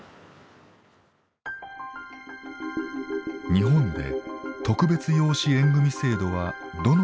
日本で特別養子縁組制度はどのように誕生したのか。